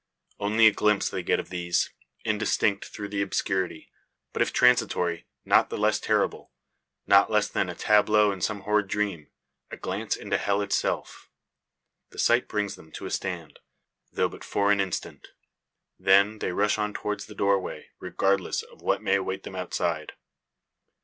Only a glimpse they get of these, indistinct through the obscurity. But if transitory, not the less terrible not less like a tableau in some horrid dream a glance into hell itself. The sight brings them to a stand; though, but for an instant. Then, they rush on towards the doorway, regardless of what may await them outside.